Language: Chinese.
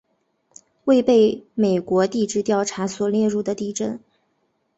未被美国地质调查所列入的地震